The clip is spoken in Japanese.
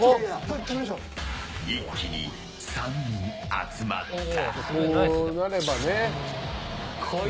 一気に３人集まった。